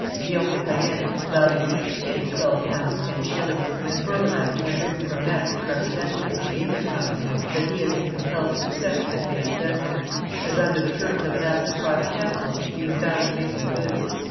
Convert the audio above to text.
Guillaume de Caën valued each skin at twelve pounds ten shillings, and Burlamachi had written from Metz to representatives of the English company, that he had been compelled to accept de Caën's estimates, as under the terms of an Act of Private Council, he was bound to make them good.